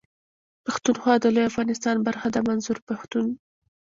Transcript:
پښتونخوا د لوی افغانستان برخه ده منظور پښتون.